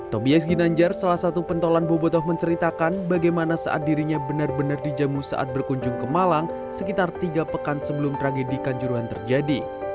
tobies ginanjar salah satu pentolan bobotoh menceritakan bagaimana saat dirinya benar benar dijamu saat berkunjung ke malang sekitar tiga pekan sebelum tragedi kanjuruhan terjadi